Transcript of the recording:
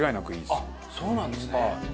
あっそうなんですね。